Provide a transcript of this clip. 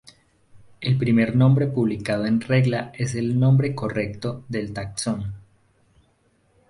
El primer nombre publicado en regla es el "nombre correcto" del taxón.